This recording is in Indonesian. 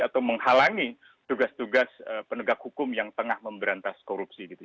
atau menghalangi tugas tugas penegak hukum yang tengah memberantas korupsi gitu